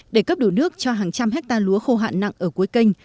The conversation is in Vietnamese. để cấp đủ nước cho hàng trăm hectare lúa khô hạn nặng ở cuối kênh